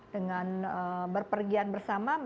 dengan berpergian bersama